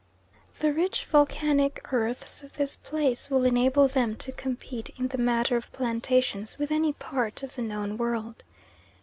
The rich volcanic earths of these places will enable them to compete in the matter of plantations with any part of the known world.